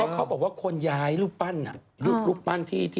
เขาบอกว่าคนย้ายลูกปั้นน่ะลูกปั้นที่ไปทัย